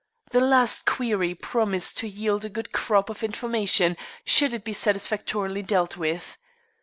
The last query promised to yield a good crop of information should it be satisfactorily dealt with.